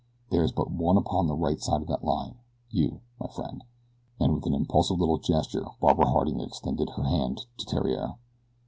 There is but one upon the right side of that line you, my friend," and with an impulsive little gesture Barbara Harding extended her hand to Theriere.